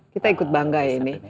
kita ikut bangga ini